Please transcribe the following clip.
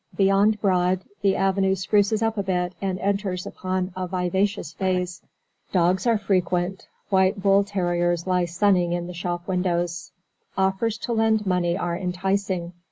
Beyond Broad, the avenue spruces up a bit and enters upon a vivacious phase. Dogs are frequent: white bull terriers lie sunning in the shop windows. Offers to lend money are enticing.